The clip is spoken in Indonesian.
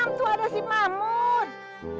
emang tuh ada si mahmud